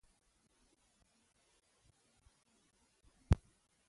نجونې به تر هغه وخته پورې په سهار کې مکتب ته ځي.